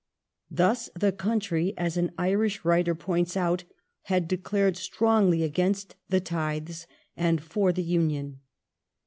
Thus the country, as an Irish writer points out, had declared strongly against the tithes, and for the Union.